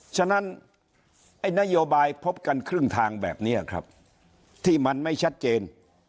ฉะนั้นไอ้นโยบายพบกันครึ่งทางแบบนี้ครับที่มันไม่ชัดเจน